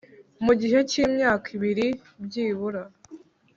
mu gihe cy imyaka ibiri byibura